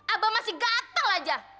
abah masih gatel aja